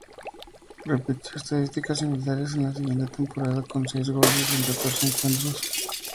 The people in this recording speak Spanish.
Repitió estadísticas similares en la siguiente temporada, con seis goles en catorce encuentros.